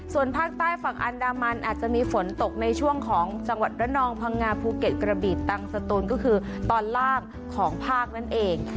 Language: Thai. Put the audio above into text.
ส่วนภาคใต้ฝั่งอันดามันอาจจะมีฝนตกในช่วงของจังหวัดระนองพังงาภูเก็ตกระบีตังสตูนก็คือตอนล่างของภาคนั่นเอง